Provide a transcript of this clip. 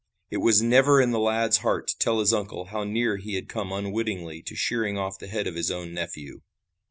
It was never in the lad's heart to tell his uncle how near he had come unwittingly to shearing off the head of his own nephew.